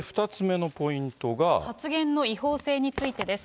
発言の違法性についてです。